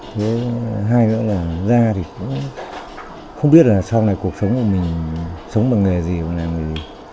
với hai nữa là ra thì cũng không biết là sau này cuộc sống của mình sống bằng nghề gì bằng làm gì